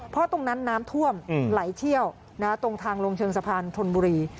เพราะตรงนั้นน้ำท่วมไหลเชี่ยวตรงทางลงเชิงสะพานธนบุรี